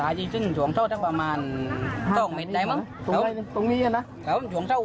ถ้าเฉยซึ่งถ่วงเซ่ามาถึงถ้ามารยาระศักดิ์เยอะจะช่วย